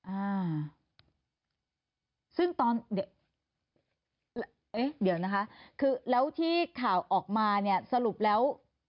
อ่าซึ่งตอนเดี๋ยวเอ๊ะเดี๋ยวนะคะคือแล้วที่ข่าวออกมาเนี่ยสรุปแล้ว